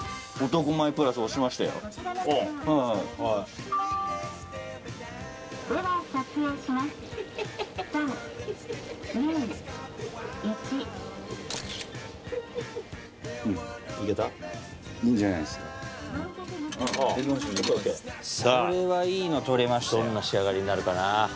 どんな仕上がりになるかな？